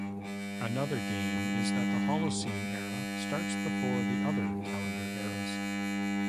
Another gain is that the Holocene Era starts before the other calendar eras.